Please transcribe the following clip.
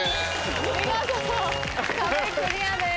見事壁クリアです。